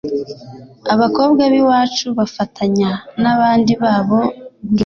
abakobwa b'iwacu bafatanya n'abandi babo guhinga